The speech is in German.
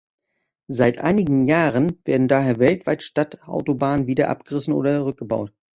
Seit einigen Jahren werden daher weltweit Stadtautobahnen wieder abgerissen oder rückgebaut.